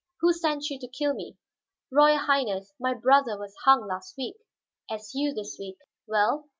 Who sent you to kill me?" "Royal Highness, my brother was hung last week." "As you this week. Well?"